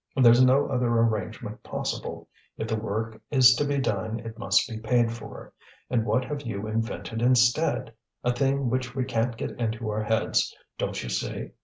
There's no other arrangement possible; if the work is to be done it must be paid for. And what have you invented instead? A thing which we can't get into our heads, don't you see?